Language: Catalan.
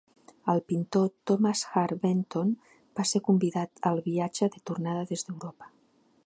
El pintor Thomas Hart Benton va ser convidat al viatge de tornada des d'Europa.